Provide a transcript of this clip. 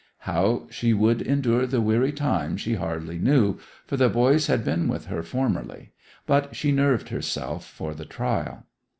How she would endure the weary time she hardly knew, for the boys had been with her formerly; but she nerved herself for the trial.